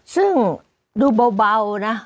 ซึ่งดูเบานะ